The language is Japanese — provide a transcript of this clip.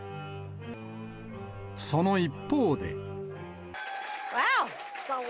その一方で。